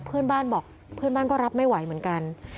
เพื่อนบ้านบอกเพื่อนบ้านก็รับไม่ไหวเหมือนกัน